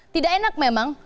tidak enak memang